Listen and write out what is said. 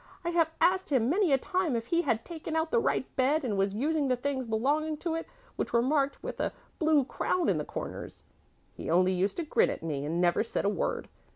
I have asked him many a time if he had taken out the right bed and was using the things belonging to it which were marked with a blue crown in the corners. He only used to grin at me and never said a word.